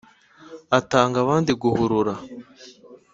Atanga abandi guhurura